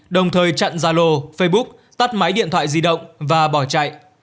đồng thời chặn gia lô facebook tắt máy điện thoại di động và bỏ chạy